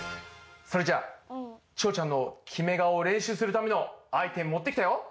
それじゃちおちゃんのキメがおをれんしゅうするためのアイテムもってきたよ。